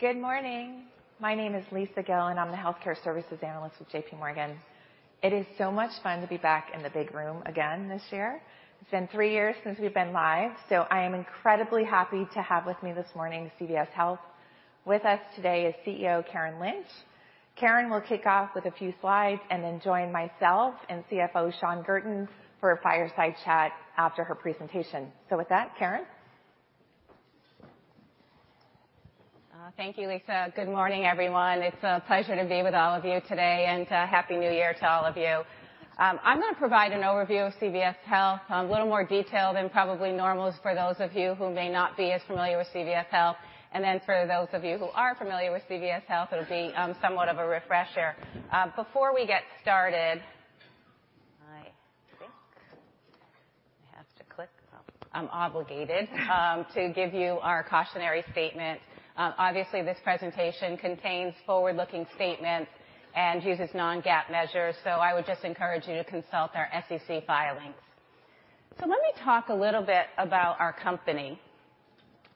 Good morning. My name is Lisa Gill. I'm the healthcare services analyst with JPMorgan. It is so much fun to be back in the big room again this year. It's been three years since we've been live. I am incredibly happy to have with me this morning CVS Health. With us today is CEO Karen Lynch. Karen will kick off with a few slides and then join myself and CFO Shawn Guertin for a fireside chat after her presentation. With that, Karen. Thank you, Lisa. Good morning, everyone. It's a pleasure to be with all of you today, and Happy New Year to all of you. I'm gonna provide an overview of CVS Health, a little more detailed than probably normal for those of you who may not be as familiar with CVS Health, and then for those of you who are familiar with CVS Health, it'll be somewhat of a refresher. Before we get started, I think I have to click. I'm obligated to give you our cautionary statement. Obviously, this presentation contains forward-looking statements and uses non-GAAP measures, I would just encourage you to consult our SEC filings. Let me talk a little bit about our company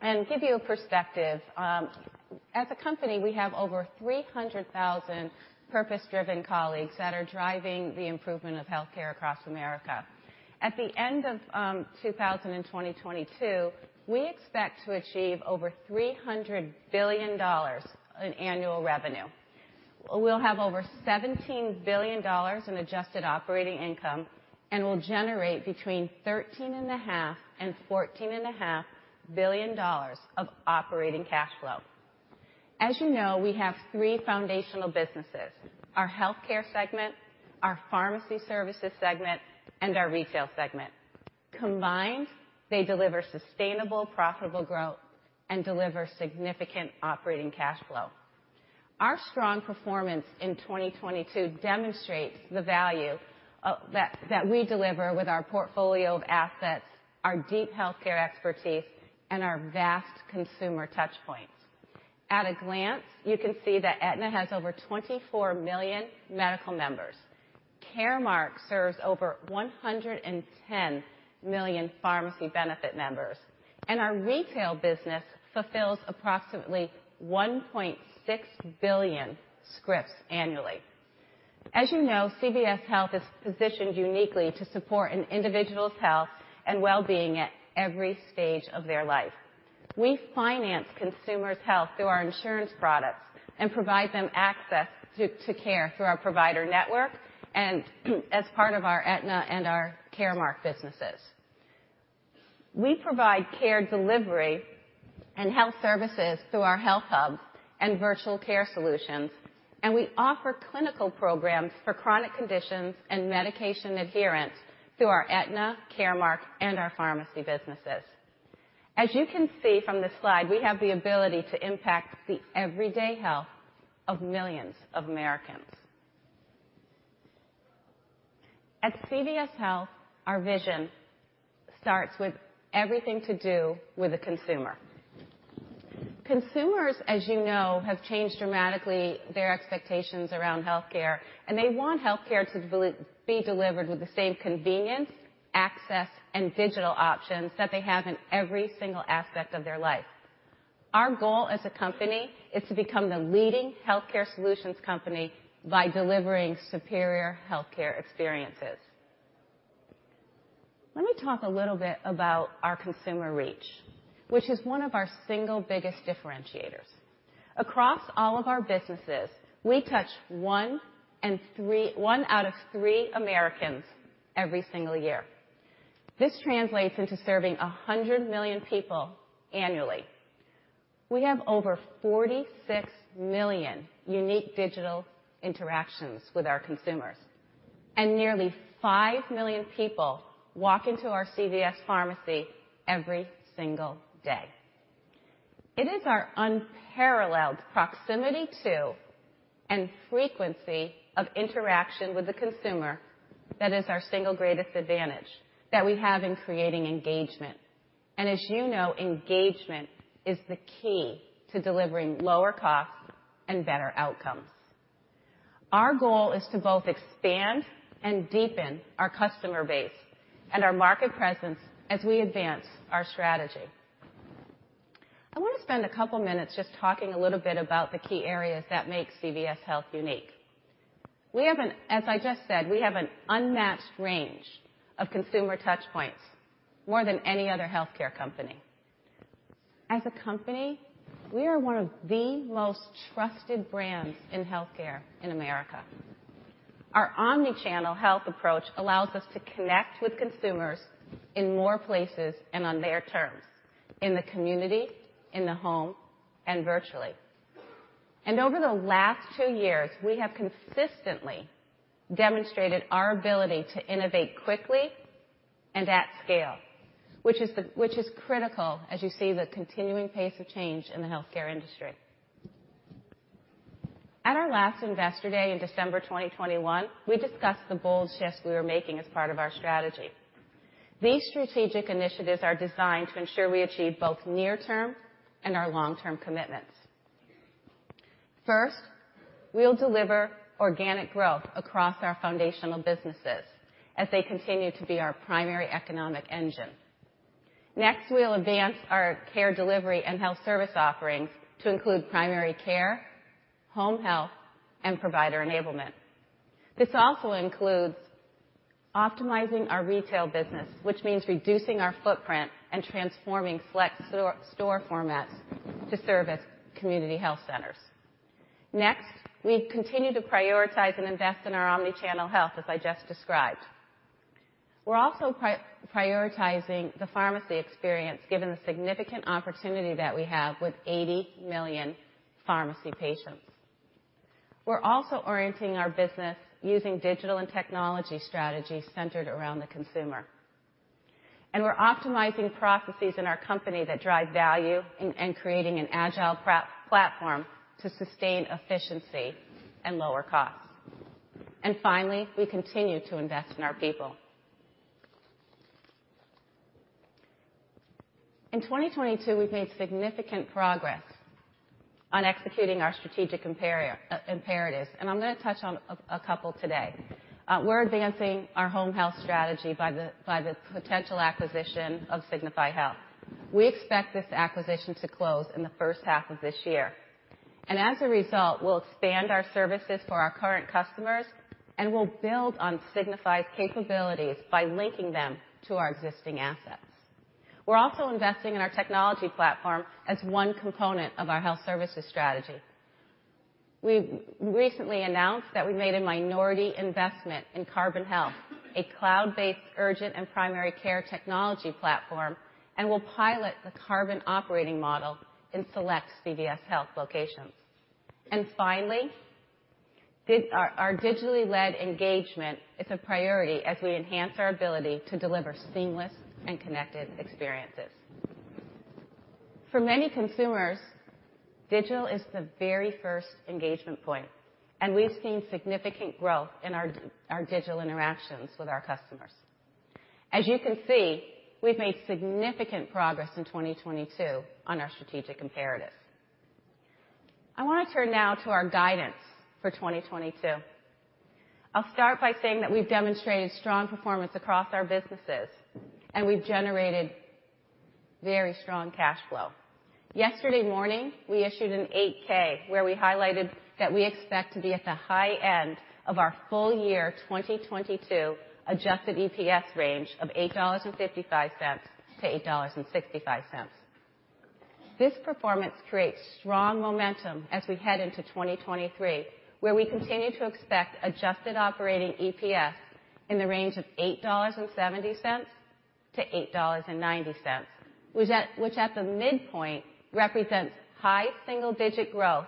and give you a perspective. As a company, we have over 300,000 purpose-driven colleagues that are driving the improvement of healthcare across America. At the end of 2022, we expect to achieve over $300 billion in annual revenue. We'll have over $17 billion in adjusted operating income and will generate between $13.5 billion and $14.5 billion of operating cash flow. As you know, we have three foundational businesses, our healthcare segment, our pharmacy services segment, and our retail segment. Combined, they deliver sustainable, profitable growth and deliver significant operating cash flow. Our strong performance in 2022 demonstrates the value that we deliver with our portfolio of assets, our deep healthcare expertise, and our vast consumer touchpoints. At a glance, you can see that Aetna has over 24 million medical members. Caremark serves over $110 million pharmacy benefit members, and our retail business fulfills approximately $1.6 billion scripts annually. As you know, CVS Health is positioned uniquely to support an individual's health and well-being at every stage of their life. We finance consumers' health through our insurance products and provide them access to care through our provider network and as part of our Aetna and our Caremark businesses. We provide care delivery and health services through our HealthHUBs and virtual care solutions, and we offer clinical programs for chronic conditions and medication adherence through our Aetna, Caremark, and our pharmacy businesses. As you can see from this slide, we have the ability to impact the everyday health of millions of Americans. At CVS Health, our vision starts with everything to do with the consumer. Consumers, as you know, have changed dramatically their expectations around healthcare, and they want healthcare to be delivered with the same convenience, access, and digital options that they have in every single aspect of their life. Our goal as a company is to become the leading healthcare solutions company by delivering superior healthcare experiences. Let me talk a little bit about our consumer reach, which is one of our single biggest differentiators. Across all of our businesses, we touch one out of three Americans every single year. This translates into serving 100 million people annually. We have over 46 million unique digital interactions with our consumers, and nearly 5 million people walk into our CVS Pharmacy every single day. It is our unparalleled proximity to and frequency of interaction with the consumer that is our single greatest advantage that we have in creating engagement. As you know, engagement is the key to delivering lower costs and better outcomes. Our goal is to both expand and deepen our customer base and our market presence as we advance our strategy. I wanna spend a couple minutes just talking a little bit about the key areas that make CVS Health unique. As I just said, we have an unmatched range of consumer touchpoints, more than any other healthcare company. As a company, we are one of the most trusted brands in healthcare in America. Our omnichannel health approach allows us to connect with consumers in more places and on their terms, in the community, in the home, and virtually. Over the last two years, we have consistently demonstrated our ability to innovate quickly and at scale, which is the... which is critical as you see the continuing pace of change in the healthcare industry. At our last Investor Day in December 2021, we discussed the bold shifts we were making as part of our strategy. These strategic initiatives are designed to ensure we achieve both near-term and our long-term commitments. First, we'll deliver organic growth across our foundational businesses as they continue to be our primary economic engine. Next, we'll advance our care delivery and health service offerings to include primary care, home health, and provider enablement. This also includes optimizing our retail business, which means reducing our footprint and transforming select store formats to serve as community health centers. Next, we continue to prioritize and invest in our omnichannel health, as I just described. We're also prioritizing the pharmacy experience, given the significant opportunity that we have with 80 million pharmacy patients. We're also orienting our business using digital and technology strategies centered around the consumer. We're optimizing processes in our company that drive value in and creating an agile platform to sustain efficiency and lower costs. Finally, we continue to invest in our people. In 2022, we've made significant progress on executing our strategic imperatives, and I'm gonna touch on a couple today. We're advancing our home health strategy by the potential acquisition of Signify Health. We expect this acquisition to close in the first half of this year. As a result, we'll expand our services for our current customers, and we'll build on Signify's capabilities by linking them to our existing assets. We're also investing in our technology platform as one component of our health services strategy. We recently announced that we made a minority investment in Carbon Health, a cloud-based urgent and primary care technology platform, and will pilot the Carbon operating model in select CVS Health locations. Finally, our digitally-led engagement is a priority as we enhance our ability to deliver seamless and connected experiences. For many consumers, digital is the very first engagement point, we've seen significant growth in our digital interactions with our customers. As you can see, we've made significant progress in 2022 on our strategic imperatives. I wanna turn now to our guidance for 2022. I'll start by saying that we've demonstrated strong performance across our businesses, we've generated very strong cash flow. Yesterday morning, we issued a Form 8-K, where we highlighted that we expect to be at the high end of our full year 2022 adjusted EPS range of $8.55-$8.65. This performance creates strong momentum as we head into 2023, where we continue to expect adjusted operating EPS in the range of $8.70-$8.90, which at the midpoint, represents high single-digit growth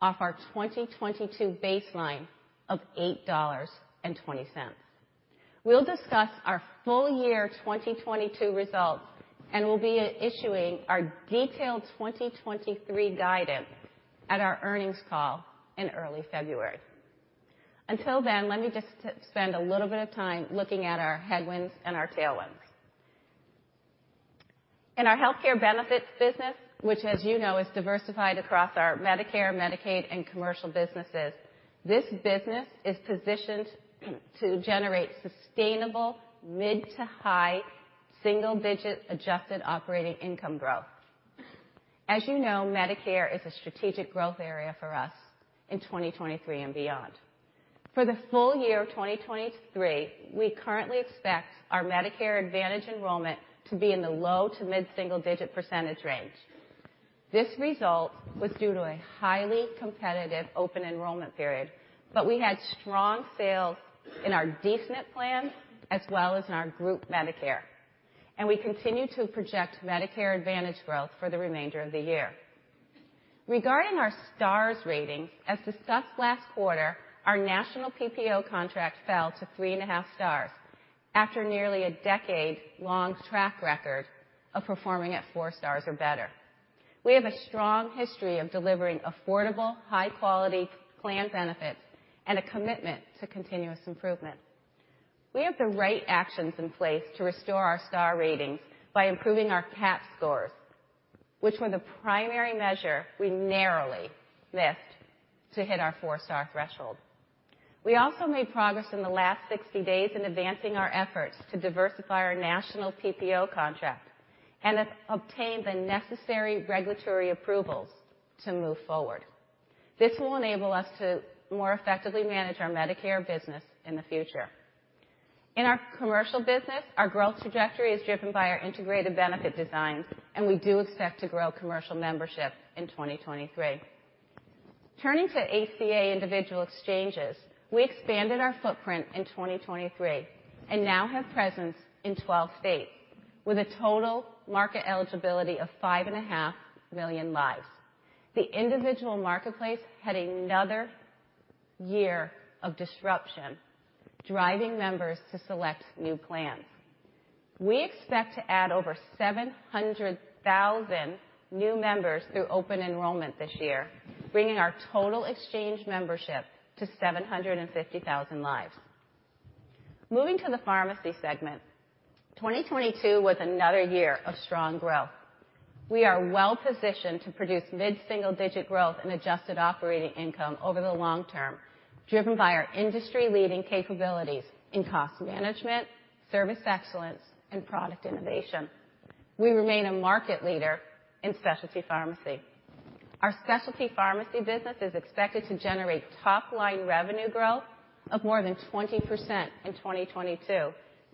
off our 2022 baseline of $8.20. We'll discuss our full year 2022 results, we'll be issuing our detailed 2023 guidance at our earnings call in early February. Until then, let me just spend a little bit of time looking at our headwinds and our tailwinds. In our healthcare benefits business, which as you know, is diversified across our Medicare, Medicaid, and commercial businesses, this business is positioned to generate sustainable mid to high single-digit Adjusted operating income growth. As you know, Medicare is a strategic growth area for us in 2023 and beyond. For the full year of 2023, we currently expect our Medicare Advantage enrollment to be in the low to mid single-digit % range. This result was due to a highly competitive open enrollment period, but we had strong sales in our D-SNP plan, as well as in our group Medicare. We continue to project Medicare Advantage growth for the remainder of the year. Regarding our star ratings, as discussed last quarter, our national PPO contract fell to three and a half stars after nearly a decade-long track record of performing at four stars or better. We have a strong history of delivering affordable, high-quality plan benefits and a commitment to continuous improvement. We have the right actions in place to restore our star ratings by improving our CAHPS scores, which were the primary measure we narrowly missed to hit our four-star threshold. We also made progress in the last 60 days in advancing our efforts to diversify our national PPO contract and have obtained the necessary regulatory approvals to move forward. This will enable us to more effectively manage our Medicare business in the future. In our commercial business, our growth trajectory is driven by our integrated benefit designs, we do expect to grow commercial membership in 2023. Turning to ACA individual exchanges, we expanded our footprint in 2023 and now have presence in 12 states with a total market eligibility of 5.5 million lives. The individual marketplace had another year of disruption, driving members to select new plans. We expect to add over 700,000 new members through open enrollment this year, bringing our total exchange membership to 750,000 lives. Moving to the pharmacy segment. 2022 was another year of strong growth. We are well-positioned to produce mid-single-digit growth in adjusted operating income over the long term, driven by our industry-leading capabilities in cost management, service excellence, and product innovation. We remain a market leader in specialty pharmacy. Our specialty pharmacy business is expected to generate top-line revenue growth of more than 20% in 2022,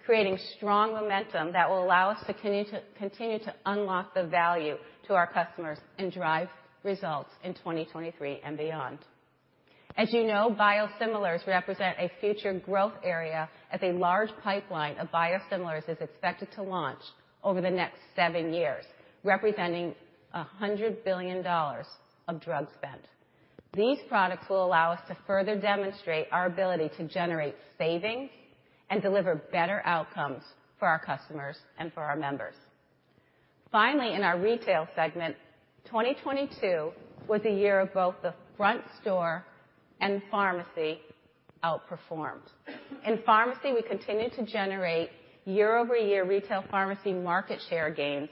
creating strong momentum that will allow us to continue to unlock the value to our customers and drive results in 2023 and beyond. As you know, Biosimilars represent a future growth area as a large pipeline of biosimilars is expected to launch over the next seven years, representing $100 billion of drug spend. These products will allow us to further demonstrate our ability to generate savings and deliver better outcomes for our customers and for our members. In our retail segment, 2022 was a year of both the front store and pharmacy outperformed. In pharmacy, we continued to generate year-over-year retail pharmacy market share gains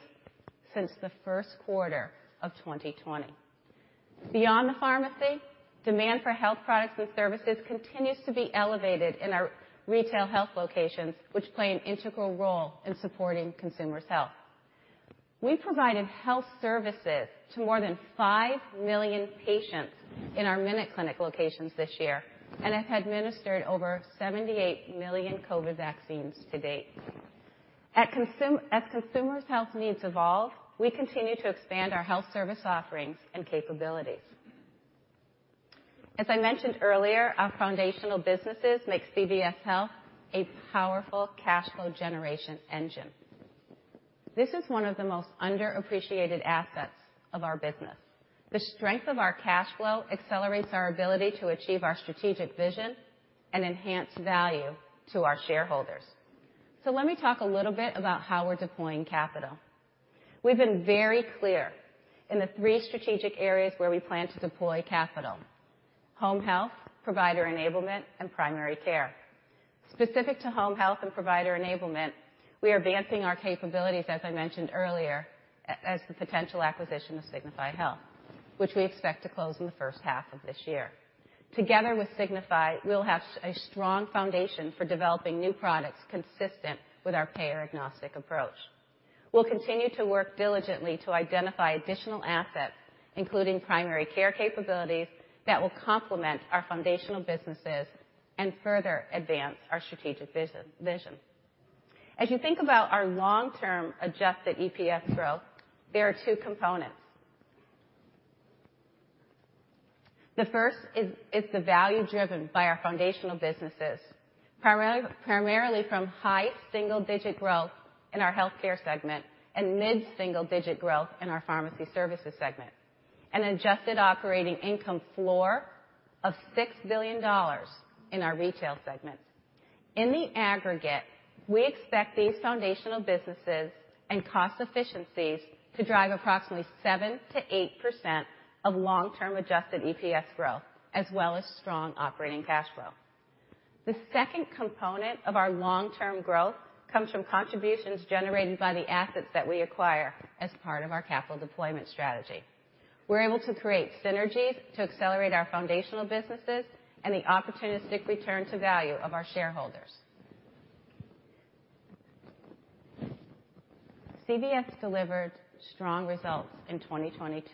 since the first quarter of 2020. Beyond the pharmacy, demand for health products and services continues to be elevated in our retail health locations, which play an integral role in supporting consumers' health. We provided health services to more than 5 million patients in our MinuteClinic locations this year and have administered over 78 million COVID vaccines to date. As consumers' health needs evolve, we continue to expand our health service offerings and capabilities. As I mentioned earlier, our foundational businesses makes CVS Health a powerful cash flow generation engine. This is one of the most underappreciated assets of our business. The strength of our cash flow accelerates our ability to achieve our strategic vision and enhance value to our shareholders. Let me talk a little bit about how we're deploying capital. We've been very clear in the three strategic areas where we plan to deploy capital: home health, provider enablement, and primary care. Specific to home health and provider enablement, we are advancing our capabilities, as I mentioned earlier, as the potential acquisition of Signify Health, which we expect to close in the first half of this year. Together with Signify, we'll have a strong foundation for developing new products consistent with our payer-agnostic approach. We'll continue to work diligently to identify additional assets, including primary care capabilities that will complement our foundational businesses and further advance our strategic vision. As you think about our long-term adjusted EPS growth, there are two components. The first is the value driven by our foundational businesses, primarily from high single-digit growth in our healthcare segment and mid-single-digit growth in our pharmacy services segment, an adjusted operating income floor of $6 billion in our retail segments. In the aggregate, we expect these foundational businesses and cost efficiencies to drive approximately 7%-8% of long-term adjusted EPS growth, as well as strong operating cash flow. The second component of our long-term growth comes from contributions generated by the assets that we acquire as part of our capital deployment strategy. We're able to create synergies to accelerate our foundational businesses and the opportunistic return to value of our shareholders. CVS delivered strong results in 2022,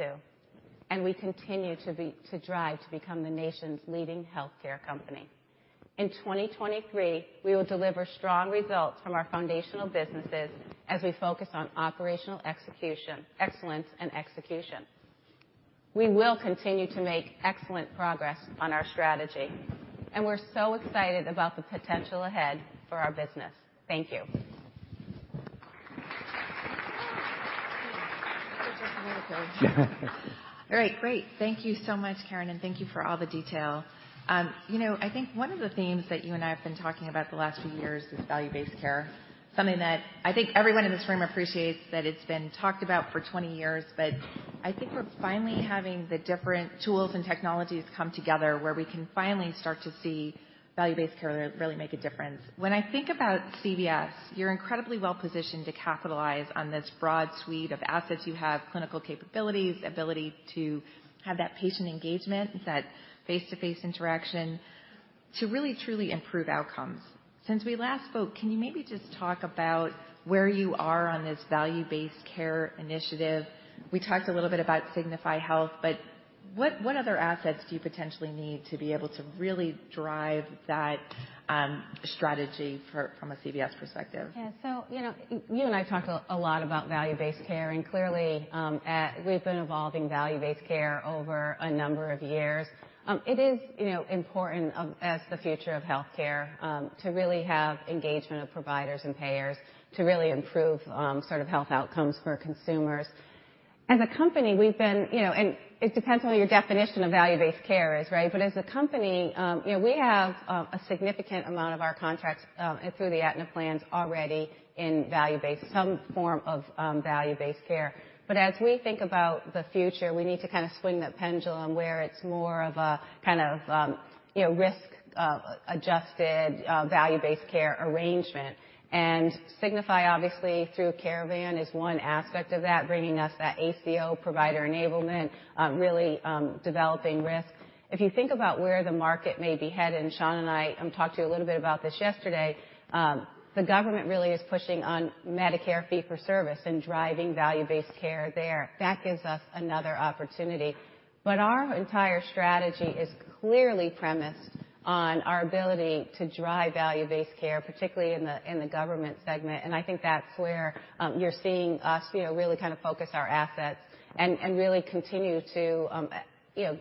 and we continue to drive to become the nation's leading healthcare company. In 2023, we will deliver strong results from our foundational businesses as we focus on operational execution, excellence in execution. We will continue to make excellent progress on our strategy, and we're so excited about the potential ahead for our business. Thank you. All right. Great. Thank you so much, Karen, and thank you for all the detail. you know, I think one of the themes that you and I have been talking about the last few years is value-based care, something that I think everyone in this room appreciates, that it's been talked about for 20 years. I think we're finally having the different tools and technologies come together where we can finally start to see value-based care really make a difference. When I think about CVS, you're incredibly well-positioned to capitalize on this broad suite of assets you have, clinical capabilities, ability to have that patient engagement and that face-to-face interaction to really truly improve outcomes. Since we last spoke, can you maybe just talk about where you are on this value-based care initiative? We talked a little bit about Signify Health, what other assets do you potentially need to be able to really drive that, strategy for, from a CVS perspective? You know, you and I talked a lot about value-based care, and clearly, we've been evolving value-based care over a number of years. It is, you know, important, as the future of healthcare, to really have engagement of providers and payers to really improve, sort of health outcomes for consumers. As a company, we've been, you know, and it depends on what your definition of value-based care is, right? As a company, you know, we have, a significant amount of our contracts, through the Aetna plans already in value-based, some form of, value-based care. As we think about the future, we need to kind of swing that pendulum where it's more of a, kind of, you know, risk-adjusted value-based care arrangement. Signify obviously through Caravan is one aspect of that, bringing us that ACO provider enablement, really developing risk. If you think about where the market may be headed, Shawn and I talked to you a little bit about this yesterday, the government really is pushing on Medicare fee-for-service and driving value-based care there. That gives us another opportunity. Our entire strategy is clearly premised on our ability to drive value-based care, particularly in the government segment. I think that's where you're seeing us, you know, really kind of focus our assets and really continue to, you know,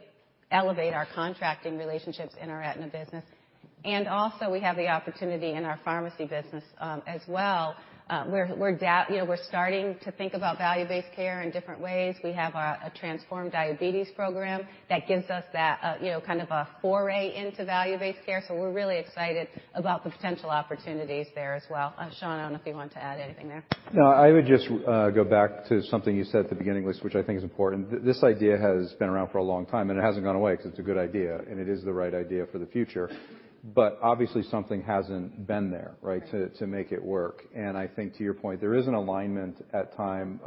elevate our contracting relationships in our Aetna business. Also, we have the opportunity in our pharmacy business as well. We're starting to think about value-based care in different ways. We have a Transform Diabetes Care program that gives us that, you know, kind of a foray into value-based care. We're really excited about the potential opportunities there as well. Shawn, I don't know if you want to add anything there. I would just go back to something you said at the beginning, Lisa, which I think is important. This idea has been around for a long time. It hasn't gone away because it's a good idea, and it is the right idea for the future. Obviously, something hasn't been there, right, to make it work. I think to your point, there is an alignment at time,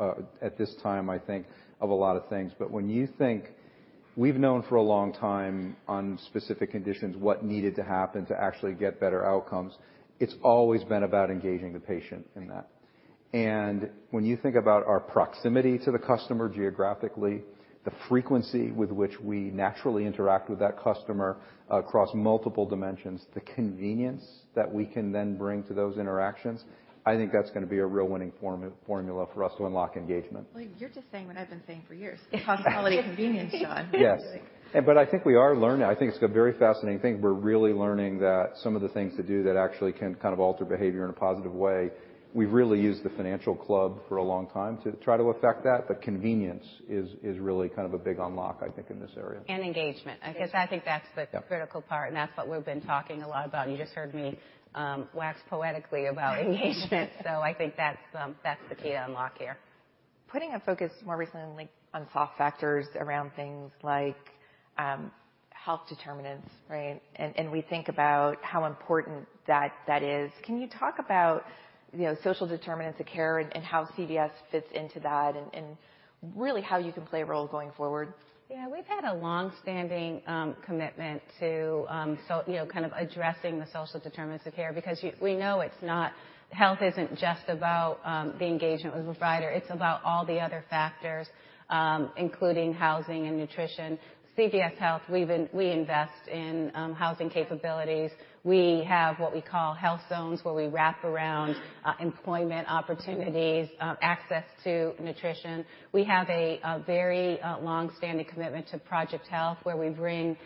at this time, I think, of a lot of things. When you think we've known for a long time on specific conditions, what needed to happen to actually get better outcomes, it's always been about engaging the patient in that. When you think about our proximity to the customer geographically, the frequency with which we naturally interact with that customer across multiple dimensions, the convenience that we can then bring to those interactions, I think that's gonna be a real winning formula for us to unlock engagement. Well, you're just saying what I've been saying for years. Cost, quality, convenience, Shawn. Yes. I think we are learning. I think it's a very fascinating thing. We're really learning that some of the things to do that actually can kind of alter behavior in a positive way. We've really used the financial club for a long time to try to affect that. Convenience is really kind of a big unlock, I think, in this area. Engagement. Because I think that's- Yeah critical part, and that's what we've been talking a lot about. You just heard me wax poetically about engagement. I think that's the key to unlock here. Putting a focus more recently on soft factors around things like, health determinants, right? We think about how important that is. Can you talk about, you know, social determinants of health and how CVS fits into that and really how you can play a role going forward? Yeah. We've had a long-standing commitment to, so, you know, kind of addressing the social determinants of health because we know it's not... Health isn't just about the engagement with a provider. It's about all the other factors, including housing and nutrition. CVS Health, we invest in housing capabilities. We have what we call Health Zones, where we wrap around employment opportunities, access to nutrition. We have a very long-standing commitment to Project Health, where we bring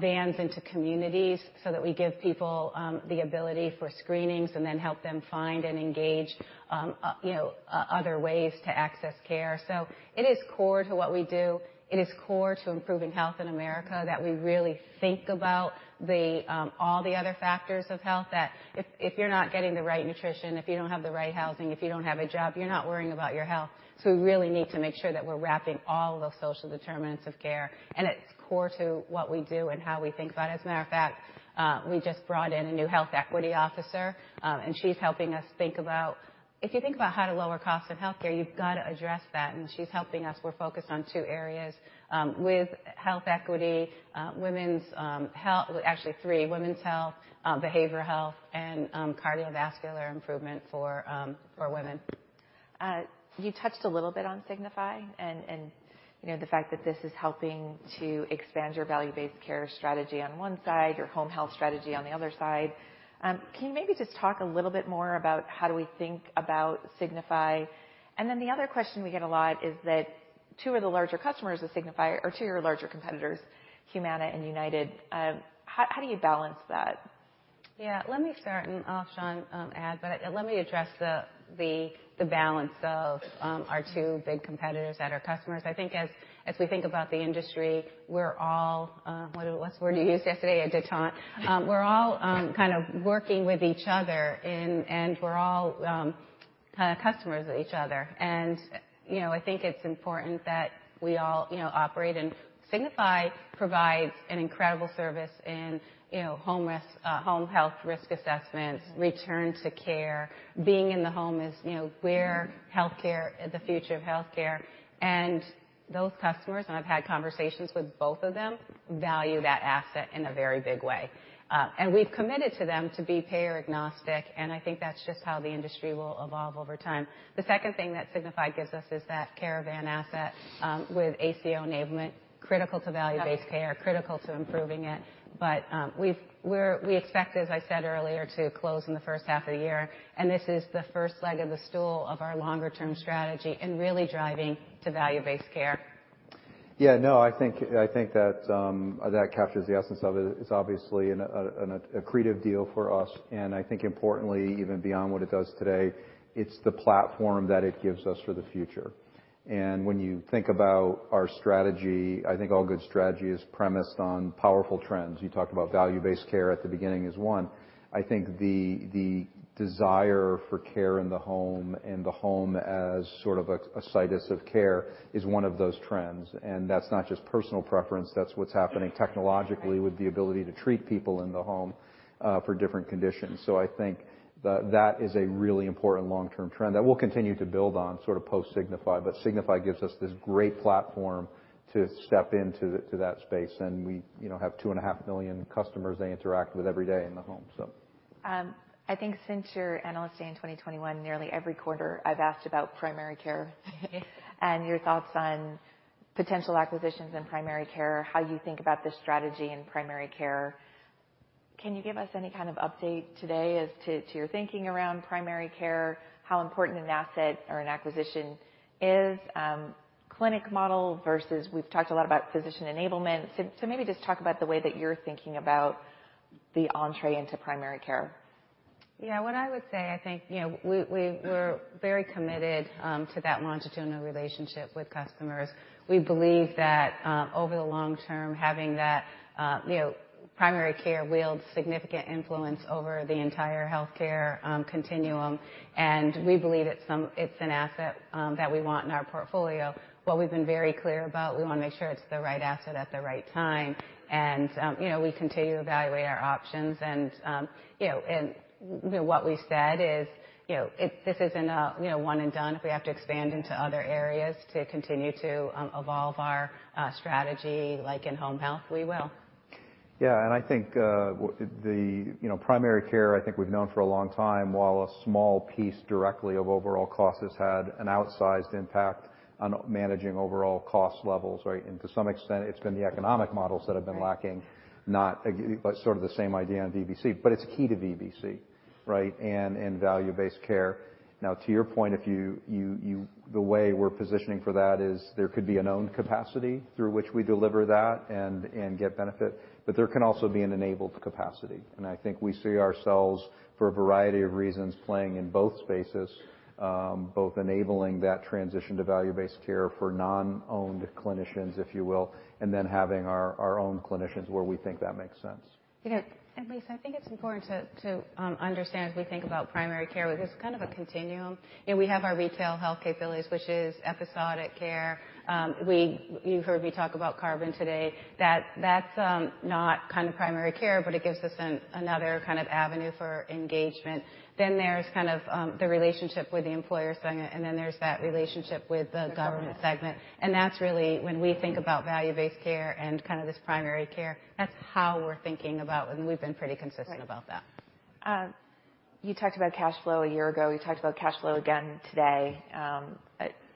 vans into communities so that we give people the ability for screenings and then help them find and engage, you know, other ways to access care. It is core to what we do. It is core to improving health in America that we really think about the all the other factors of health, that if you're not getting the right nutrition, if you don't have the right housing, if you don't have a job, you're not worrying about your health. We really need to make sure that we're wrapping all of those social determinants of health, and it's core to what we do and how we think about it. As a matter of fact, we just brought in a new health equity officer, and she's helping us. If you think about how to lower costs in healthcare, you've got to address that, and she's helping us. We're focused on two areas with health equity. Well, actually three: women's health, behavioral health, and cardiovascular improvement for women. You touched a little bit on Signify and, you know, the fact that this is helping to expand your value-based care strategy on one side, your home health strategy on the other side. Can you maybe just talk a little bit more about how do we think about Signify? The other question we get a lot is that two of the larger customers of Signify or two of your larger competitors, Humana and United, how do you balance that? Yeah. Let me start, and I'll Shawn add, but let me address the balance of our two big competitors that are customers. I think as we think about the industry, we're all, what's the word you used yesterday? A detente. We're all kind of working with each other and we're all customers of each other. You know, I think it's important that we all, you know, operate. Signify Health provides an incredible service in, you know, home health risk assessments, return to care. Being in the home is, you know, where healthcare, the future of healthcare, and those customers, and I've had conversations with both of them, value that asset in a very big way. We've committed to them to be payer agnostic, and I think that's just how the industry will evolve over time. The second thing that Signify gives us is that Caravan asset, with ACO enablement, critical to value-based care- Okay. -critical to improving it. We expect, as I said earlier, to close in the first half of the year. This is the first leg of the stool of our longer term strategy and really driving to value-based care. Yeah, no, I think that captures the essence of it. It's obviously an accretive deal for us, and I think importantly, even beyond what it does today, it's the platform that it gives us for the future. When you think about our strategy, I think all good strategy is premised on powerful trends. You talked about value-based care at the beginning is one. I think the desire for care in the home, and the home as sort of a situs of care is one of those trends. That's not just personal preference, that's what's happening technologically with the ability to treat people in the home for different conditions. I think that is a really important long-term trend that we'll continue to build on sort of post Signify. Signify gives us this great platform to step into that space, and we, you know, have 2.5 million customers they interact with every day in the home, so. I think since your Analyst Day in 2021, nearly every quarter I've asked about primary care. Your thoughts on potential acquisitions in primary care, how you think about the strategy in primary care. Can you give us any kind of update today as to your thinking around primary care? How important an asset or an acquisition is? Clinic model versus we've talked a lot about physician enablement. Maybe just talk about the way that you're thinking about the entree into primary care. Yeah. What I would say, I think, you know, we're very committed to that longitudinal relationship with customers. We believe that, over the long term, having that, you know, primary care wield significant influence over the entire healthcare continuum. We believe it's an asset that we want in our portfolio. What we've been very clear about, we wanna make sure it's the right asset at the right time. We continue to evaluate our options and, you know, what we said is, you know, this isn't a, you know, one and done. If we have to expand into other areas to continue to evolve our strategy, like in home health, we will. Yeah. I think, you know, primary care, I think we've known for a long time, while a small piece directly of overall costs has had an outsized impact on managing overall cost levels, right? To some extent, it's been the economic models that have been lacking, not, sort of the same idea on VBC, but it's key to VBC, right? Value-based care. Now, to your point, if you the way we're positioning for that is there could be an owned capacity through which we deliver that and get benefit, but there can also be an enabled capacity. I think we see ourselves, for a variety of reasons, playing in both spaces, both enabling that transition to value-based care for non-owned clinicians, if you will, and then having our own clinicians where we think that makes sense. Yeah. Lisa, I think it's important to understand as we think about primary care, it is kind of a continuum. You know, we have our retail health capabilities, which is episodic care. You heard me talk about Carbon today. That's not kind of primary care, but it gives us another kind of avenue for engagement. There's kind of the relationship with the employer segment, and then there's that relationship with the government segment. That's really when we think about value-based care and kind of this primary care, that's how we're thinking about, and we've been pretty consistent about that. Right. You talked about cash flow a year ago. You talked about cash flow again today.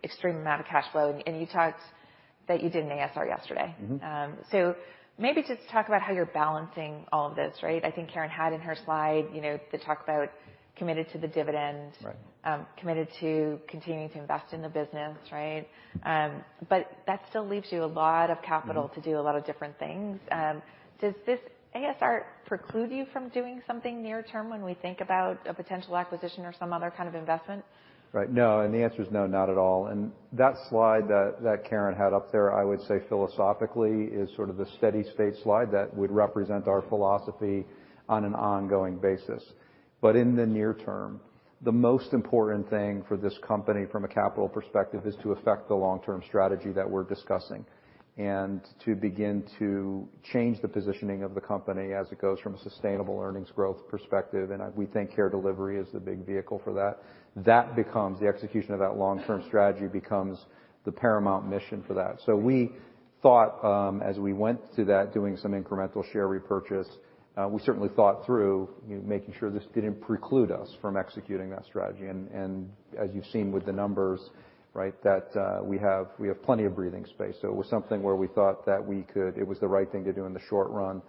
Extreme amount of cash flow. You talked that you did an ASR yesterday. Mm-hmm. Maybe just talk about how you're balancing all of this, right? I think Karen had in her slide, you know, the talk about committed to the dividend. Right. Committed to continuing to invest in the business, right? That still leaves you a lot of capital-. Mm-hmm. To do a lot of different things. Does this ASR preclude you from doing something near term when we think about a potential acquisition or some other kind of investment? Right. No. The answer is no, not at all. That slide that Karen had up there, I would say philosophically is sort of the steady state slide that would represent our philosophy on an ongoing basis. In the near term, the most important thing for this company from a capital perspective is to affect the long-term strategy that we're discussing, and to begin to change the positioning of the company as it goes from a sustainable earnings growth perspective. We think care delivery is the big vehicle for that. That becomes the execution of that long-term strategy becomes the paramount mission for that. We thought, as we went to that, doing some incremental share repurchase, we certainly thought through, you making sure this didn't preclude us from executing that strategy. As you've seen with the numbers, right, that we have plenty of breathing space. It was something where we thought that we could. It was the right thing to do in the short run,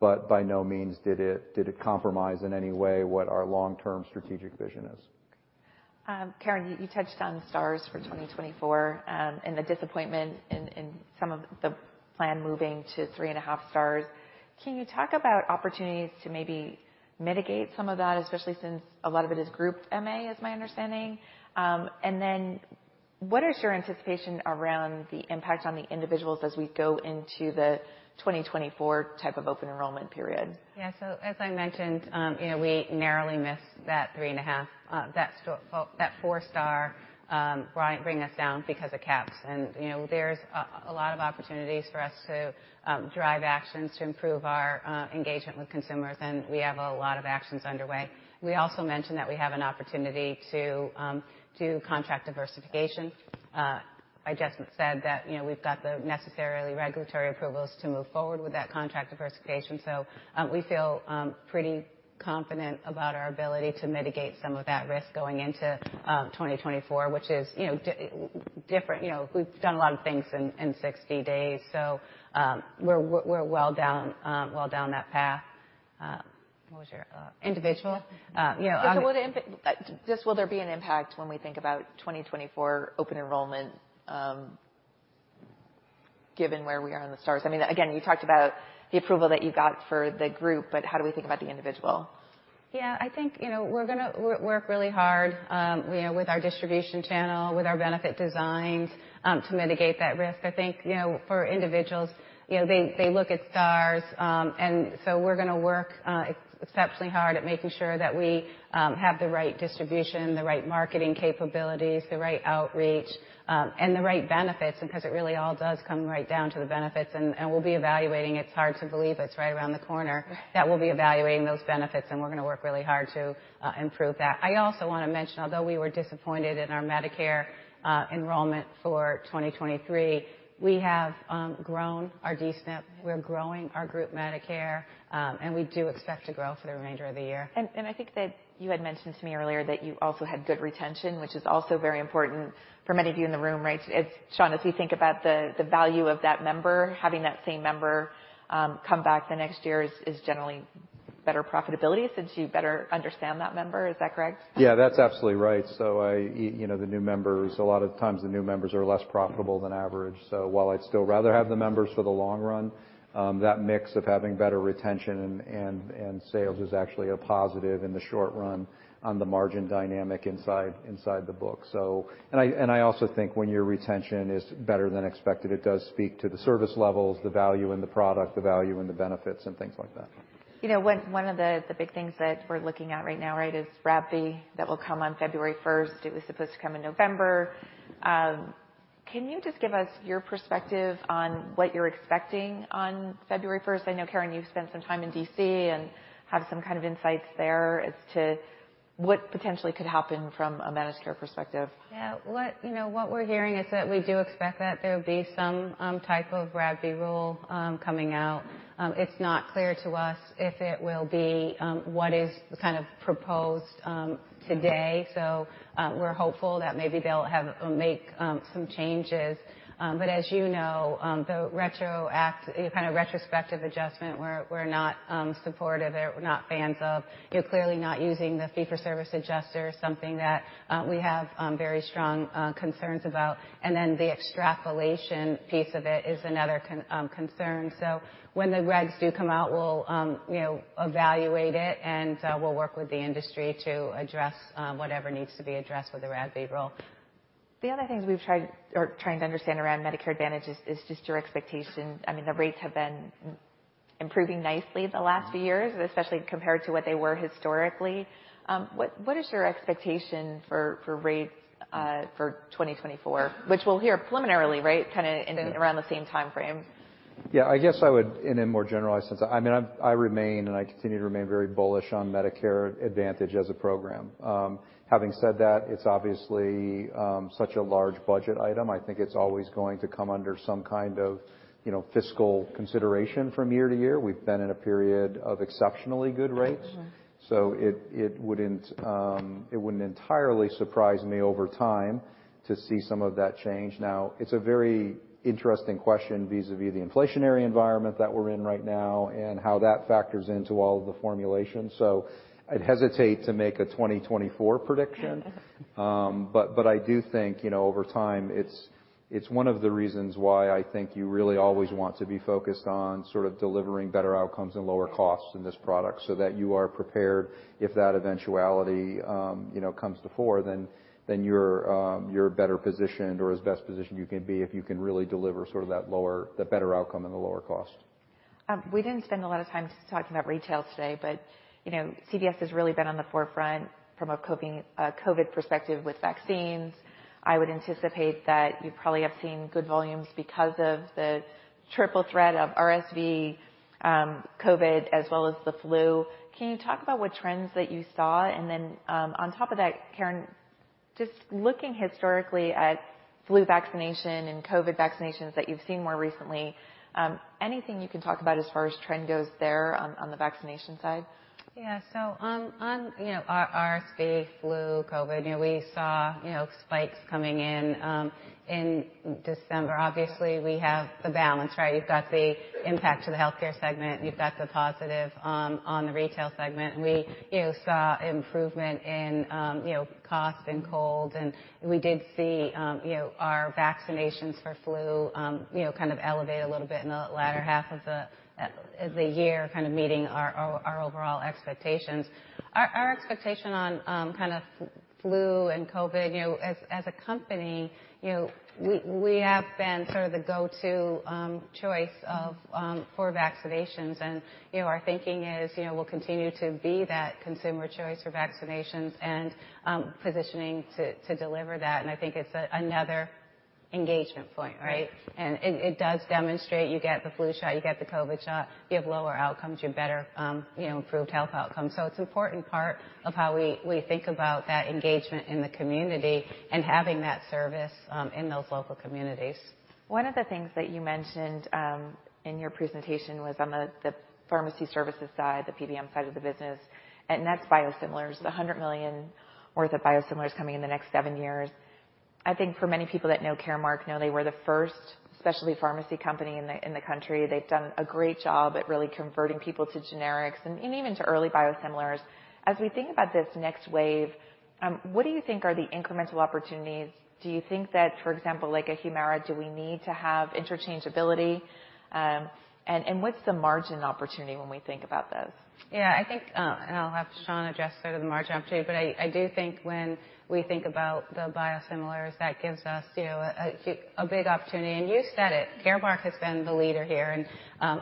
but by no means did it compromise in any way what our long-term strategic vision is. Karen, you touched on stars for 2024, and the disappointment in some of the plan moving to 3.5 stars. Can you talk about opportunities to maybe mitigate some of that, especially since a lot of it is group MA, is my understanding? What is your anticipation around the impact on the individuals as we go into the 2024 type of open enrollment period? Yeah. As I mentioned, you know, we narrowly missed that 3.5, that four star, bring us down because of CAHPS. You know, there's a lot of opportunities for us to drive actions to improve our engagement with consumers, and we have a lot of actions underway. We also mentioned that we have an opportunity to do contract diversification. I just said that, you know, we've got the necessarily regulatory approvals to move forward with that contract diversification. We feel pretty confident about our ability to mitigate some of that risk going into 2024, which is, you know, different. You know, we've done a lot of things in 60 days, so we're well down, well down that path. What was your Individual Uh, you know, on the- Just will there be an impact when we think about 2024 open enrollment, given where we are in the star ratings? I mean, again, you talked about the approval that you got for the group, but how do we think about the individual? Yeah. I think, you know, we're gonna work really hard, you know, with our distribution channel, with our benefit designs, to mitigate that risk. I think, you know, for individuals, you know, they look at Stars, and so we're gonna work exceptionally hard at making sure that we have the right distribution, the right marketing capabilities, the right outreach, and the right benefits, because it really all does come right down to the benefits. We'll be evaluating. It's hard to believe it's right around the corner. Yeah. We'll be evaluating those benefits. We're gonna work really hard to improve that. I also wanna mention, although we were disappointed in our Medicare enrollment for 2023, we have grown our D-SNP. We're growing our group Medicare. We do expect to grow for the remainder of the year. I think that you had mentioned to me earlier that you also had good retention, which is also very important for many of you in the room, right? Shawn, as you think about the value of that member, having that same member come back the next year is generally better profitability since you better understand that member. Is that correct? Yeah, that's absolutely right. You know, the new members, a lot of times the new members are less profitable than average. While I'd still rather have the members for the long run, that mix of having better retention and sales is actually a positive in the short run on the margin dynamic inside the book. I also think when your retention is better than expected, it does speak to the service levels, the value in the product, the value in the benefits, and things like that. You know, one of the big things that we're looking at right now, right, is RADV that will come on February 1st. It was supposed to come in November. Can you just give us your perspective on what you're expecting on February 1st? I know, Karen, you've spent some time in D.C. and have some kind of insights there as to what potentially could happen from a managed care perspective. Yeah. What, you know, what we're hearing is that we do expect that there'll be some type of RADV rule coming out. It's not clear to us if it will be what is kind of proposed today. We're hopeful that maybe they'll make some changes. As you know, the retroact, kind of retrospective adjustment, we're not supportive, we're not fans of. You're clearly not using the fee-for-service adjuster, something that we have very strong concerns about. Then the extrapolation piece of it is another concern. When the regs do come out, we'll, you know, evaluate it, and we'll work with the industry to address whatever needs to be addressed with the RADV rule. The other things we've tried or trying to understand around Medicare Advantage is just your expectation. I mean, the rates have been improving nicely the last few years, especially compared to what they were historically. What is your expectation for rates for 2024? Which we'll hear preliminarily, right? Kinda in around the same timeframe. Yeah. In a more generalized sense, I mean, I remain and I continue to remain very bullish on Medicare Advantage as a program. Having said that, it's obviously, such a large budget item. I think it's always going to come under some kind of, you know, fiscal consideration from year to year. We've been in a period of exceptionally good rates. Mm-hmm. It wouldn't entirely surprise me over time to see some of that change. It's a very interesting question vis-à-vis the inflationary environment that we're in right now and how that factors into all of the formulation. I'd hesitate to make a 2024 prediction. I do think, you know, over time, it's one of the reasons why I think you really always want to be focused on sort of delivering better outcomes and lower costs in this product, so that you are prepared if that eventuality, you know, comes to fore, then you're better positioned or as best positioned you can be if you can really deliver sort of that lower, the better outcome and the lower cost. We didn't spend a lot of time talking about retail today, but, you know, CVS has really been on the forefront from a COVID perspective with vaccines. I would anticipate that you probably have seen good volumes because of the triple threat of RSV, COVID, as well as the flu. Can you talk about what trends that you saw? Then, Karen, just looking historically at flu vaccination and COVID vaccinations that you've seen more recently, anything you can talk about as far as trend goes there on the vaccination side? Yeah. On, you know, RSV, flu, COVID, you know, we saw, you know, spikes coming in in December. Obviously, we have the balance, right? You've got the impact to the healthcare segment, you've got the positive on the retail segment. We, you know, saw improvement in, you know, costs and colds, and we did see, you know, our vaccinations for flu, you know, kind of elevate a little bit in the latter half of the year, kind of meeting our overall expectations. Our expectation on, kind of flu and COVID, you know, as a company, you know, we have been sort of the go-to choice of for vaccinations. You know, our thinking is, you know, we'll continue to be that consumer choice for vaccinations and positioning to deliver that, and I think it's another engagement point, right? It does demonstrate you get the flu shot, you get the COVID shot, you have lower outcomes, you have better, you know, improved health outcomes. It's important part of how we think about that engagement in the community and having that service in those local communities. One of the things that you mentioned in your presentation was on the pharmacy services side, the PBM side of the business. Next, $100 million worth of biosimilars coming in the next seven years. I think for many people that know Caremark know they were the first specialty pharmacy company in the country. They've done a great job at really converting people to generics and even to early biosimilars. As we think about this next wave, what do you think are the incremental opportunities? Do you think that, for example, like a HUMIRA, do we need to have interchangeability? What's the margin opportunity when we think about this? Yeah, I think, and I'll have Shawn address sort of the margin opportunity, but I do think when we think about the biosimilars, that gives us, you know, a big opportunity. You said it, Caremark has been the leader here, and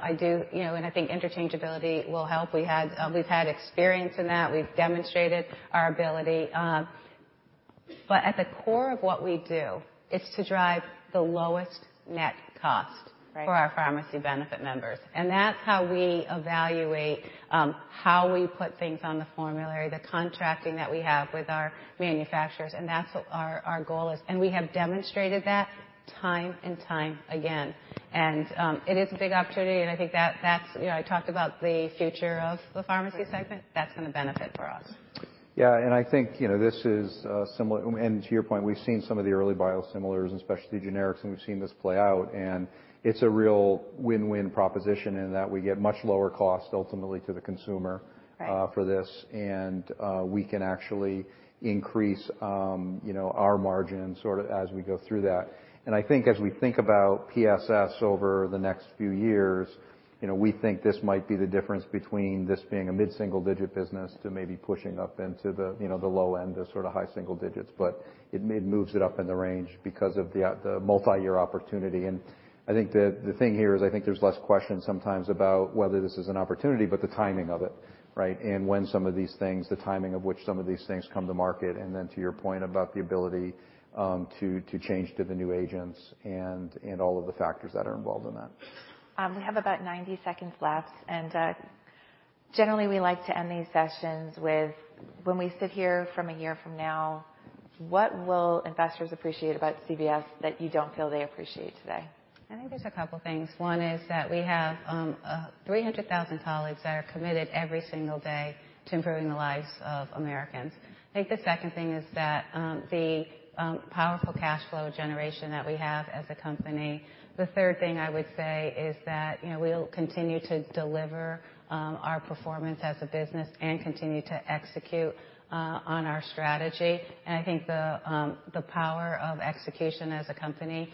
I do, you know, I think interchangeability will help. We had, we've had experience in that. We've demonstrated our ability. At the core of what we do is to drive the lowest net cost- Right. -for our pharmacy benefit members. That's how we evaluate, how we put things on the formulary, the contracting that we have with our manufacturers, That's what our goal is. We have demonstrated that time and time again. It is a big opportunity, and I think that's, you know, I talked about the future of the pharmacy segment. That's gonna benefit for us. Yeah. I think, you know, this is similar. To your point, we've seen some of the early biosimilars and specialty generics, and we've seen this play out, and it's a real win-win proposition in that we get much lower cost ultimately to the consumer. Right. For this. We can actually increase, you know, our margins sorta as we go through that. I think as we think about PSS over the next few years, you know, we think this might be the difference between this being a mid-single digit business to maybe pushing up into the, you know, the low end of sorta high single digits. It may moves it up in the range because of the multiyear opportunity. I think the thing here is I think there's less question sometimes about whether this is an opportunity, but the timing of it, right? When some of these things, the timing of which some of these things come to market, and then to your point about the ability to change to the new agents and all of the factors that are involved in that. We have about 90 seconds left. Generally, we like to end these sessions with when we sit here from a year from now, what will investors appreciate about CVS that you don't feel they appreciate today? I think there's a couple things. One is that we have 300,000 colleagues that are committed every single day to improving the lives of Americans. I think the second thing is that the powerful cash flow generation that we have as a company. The third thing I would say is that, you know, we'll continue to deliver our performance as a business and continue to execute on our strategy. I think the power of execution as a company,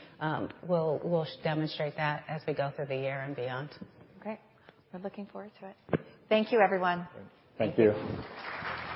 we'll demonstrate that as we go through the year and beyond. Okay. We're looking forward to it. Thank you, everyone. Thank you. Thank you.